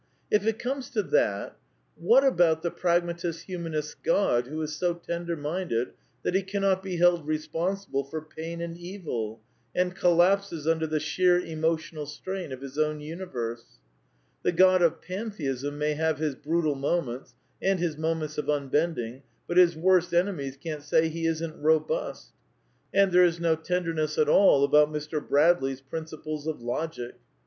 If it comes to that, what about the Pragmatic Humanist's God who is so tender minded that he cannot be held responsible for pain and evil, and collapses under the sheer emotional strain of his own universe? The God of Pantheism may have his brutal moments and his moments of unbending^ but his worst enemies can't say he isn't robust. And there is no tenderness at all about Mr. Bradley's Princples of Logic.